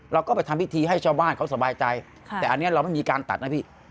เราก็ไปทำพิธีให้ชาวบ้านเขาสบายใจแต่อันนี้เราไม่มีการตัดนะพี่